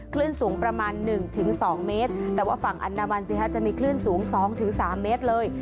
คลื่นสูงประมาณหนึ่งถึงสองเมตรแต่ว่าฝั่งอันดามันสิคะจะมีคลื่นสูง๒๓เมตรเลย